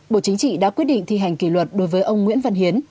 bộ chính trị đã quyết định thi hành kỷ luật đối với ông nguyễn văn hiến